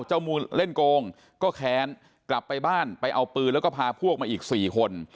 มูลเล่นโกงก็แค้นกลับไปบ้านไปเอาปืนแล้วก็พาพวกมาอีก๔คน